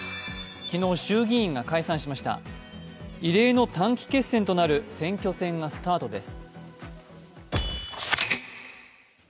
昨日、衆議院が解散しました異例の短期決戦となる選挙戦がスタートです。